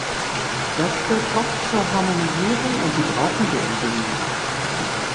Das führt auch zur Harmonisierung, und die brauchen wir im Binnenmarkt.